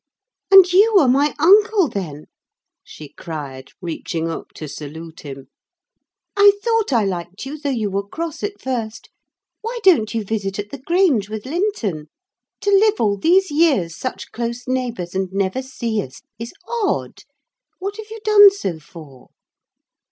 "And you are my uncle, then!" she cried, reaching up to salute him. "I thought I liked you, though you were cross at first. Why don't you visit at the Grange with Linton? To live all these years such close neighbours, and never see us, is odd: what have you done so for?"